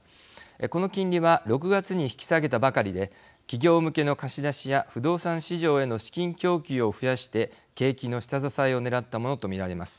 この金利は６月に引き下げたばかりで企業向けの貸し出しや不動産市場への資金供給を増やして景気の下支えをねらったものと見られます。